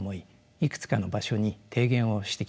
いくつかの場所に提言をしてきました。